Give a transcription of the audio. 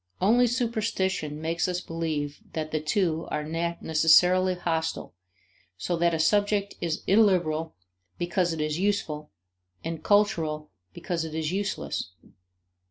Only superstition makes us believe that the two are necessarily hostile so that a subject is illiberal because it is useful and cultural because it is useless.